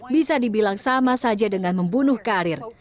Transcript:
bisa dibilang sama saja dengan membunuh karir